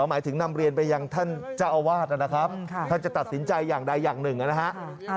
หมายถึงนำเรียนไปยังท่านเจ้าอาวาสนะครับท่านจะตัดสินใจอย่างใดอย่างหนึ่งนะฮะ